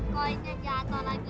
koinnya jatoh lagi itu